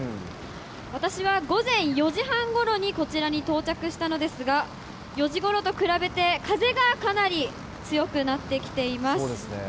私は午前４時半ごろにこちらに到着したのですが、４時ごろと比べて、風がかなり強くなってきています。